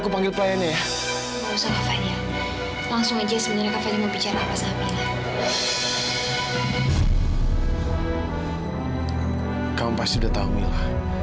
kamu pasti sudah tahu mila